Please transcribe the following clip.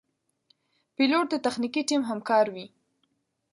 پیلوټ د تخنیکي ټیم همکار وي.